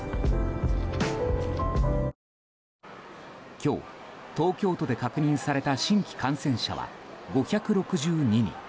今日、東京都で確認された新規感染者は５６２人。